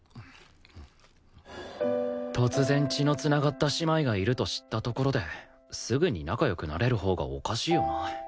突然血の繋がった姉妹がいると知ったところですぐに仲良くなれるほうがおかしいよな